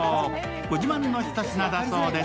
ご自慢のひと品だそうです。